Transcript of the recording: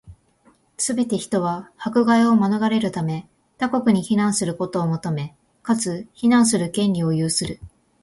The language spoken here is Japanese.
すべて人は、迫害を免れるため、他国に避難することを求め、かつ、避難する権利を有する。